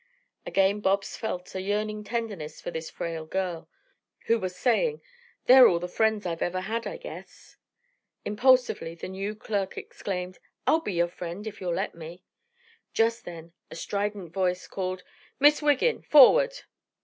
Again Bobs felt a yearning tenderness for this frail girl, who was saying, "They're all the friends I've ever had, I guess." Impulsively the new clerk exclaimed, "I'll be your friend, if you'll let me." Just then a strident voice called, "Miss Wiggin, forward!"